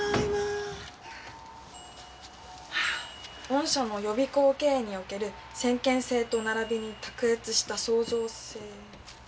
御社の予備校経営における先見性と並びに卓越した創造性。